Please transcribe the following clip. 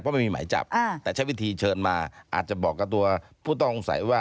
เพราะไม่มีหมายจับแต่ใช้วิธีเชิญมาอาจจะบอกกับตัวผู้ต้องสงสัยว่า